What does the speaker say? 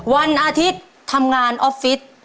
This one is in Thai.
วันอาทิตย์ทำงานออฟฟิศ